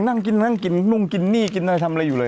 ยังนั่งกินหนุ่มกินหนี้กินทำไรอยู่เลย